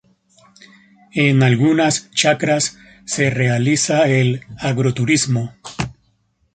En algunas chacras se realiza el agroturismo.